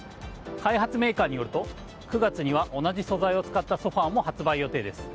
開発メーカーによると９月には同じ素材を使ったソファも発売予定です。